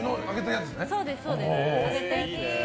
そうです。